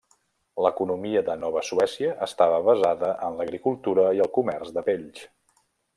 L'economia de Nova Suècia estava basada en l'agricultura i el comerç de pells.